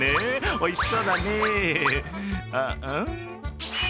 おいしそうだね。